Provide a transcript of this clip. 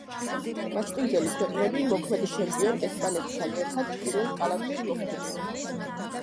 მასპინძელი ქვეყნები მოქმედ ჩემპიონ ესპანეთთან ერთად პირველ კალათში მოხვდნენ.